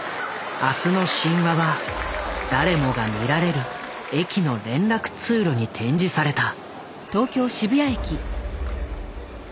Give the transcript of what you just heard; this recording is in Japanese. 「明日の神話」は誰もが見られる駅の連絡通路に展示された。